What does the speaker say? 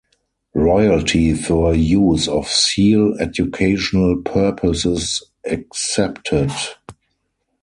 Royalty for use of seal-Educational purposes excepted.